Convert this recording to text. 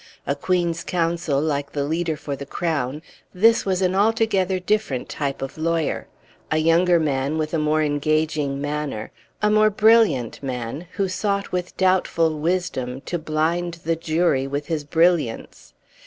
A Queen's Counsel, like the leader for the Crown, this was an altogether different type of lawyer; a younger man, with a more engaging manner; a more brilliant man, who sought with doubtful wisdom to blind the jury with his brilliance.